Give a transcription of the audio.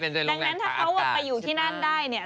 ดังนั้นถ้าเขาไปอยู่ที่นั่นได้เนี่ย